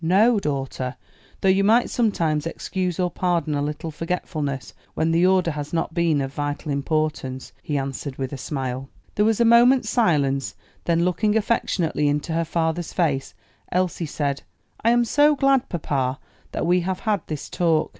"No, daughter; though you might sometimes excuse or pardon a little forgetfulness when the order has not been of vital importance," he answered, with a smile. There was a moment's silence: then looking affectionately into her father's face, Elsie said, "I am so glad, papa, that we have had this talk.